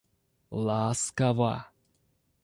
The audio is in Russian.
ласково